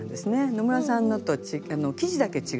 野村さんのと生地だけ違う。